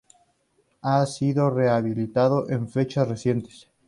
Ha sido rehabilitado en fechas recientes.